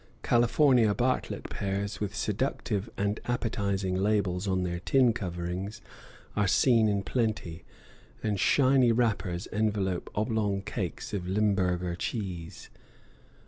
California Bartlett pears, with seductive and appetizing labels on their tin coverings, are seen in plenty, and shiny wrappers envelop oblong cakes of Limburger cheese.